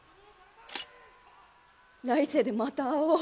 来世でまた会おう。